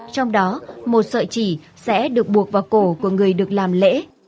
trong đó một sợi chỉ sẽ được buộc vào cổ của người được làm lễ